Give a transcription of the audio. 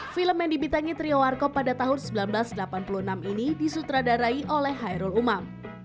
film yang dibitangi trio warkop pada tahun seribu sembilan ratus delapan puluh enam ini disutradarai oleh hairul umam